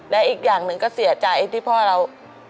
และอีกอย่างหนึ่งก็เสียใจที่พ่อเรา